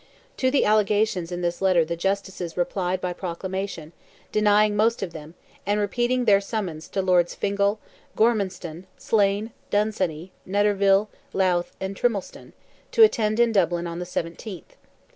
To the allegations in this letter the Justices replied by proclamation, denying most of them, and repeating their summons to Lords Fingal, Gormanstown, Slane, Dunsany, Netterville, Louth, and Trimleston, to attend in Dublin on the 17th.